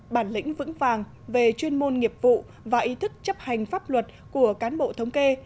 bản lĩnh vững vàng về chuyên môn nghiệp vụ và ý thức chấp hành pháp luật của cán bộ thống kê